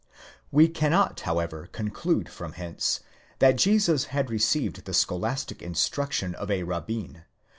We cannot, however, conclude from hence that Jesus had received the scholastic instruction of a rabbin